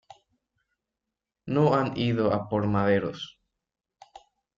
no han ido a por maderos.